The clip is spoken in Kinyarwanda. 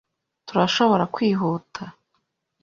Turashobora kwihuta?